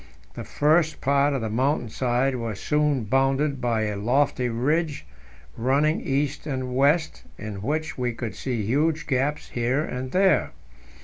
The first part of the mountain side was soon bounded by a lofty ridge running east and west, in which we could see huge gaps here and there.